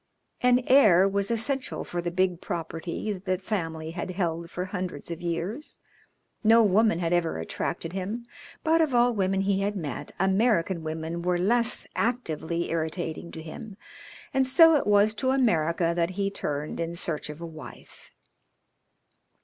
An heir was essential for the big property that the family had held for hundreds of years. No woman had ever attracted him, but of all women he had met American women were less actively irritating to him, and so it was to America that he turned in search of a wife.